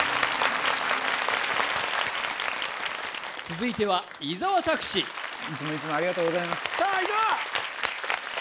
続いては伊沢拓司いつもいつもありがとうございますさあ伊沢！